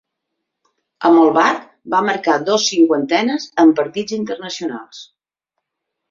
Amb el bat va marcar dos cinquantenes en partits internacionals.